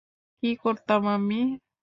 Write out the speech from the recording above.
কী করতাম আমি?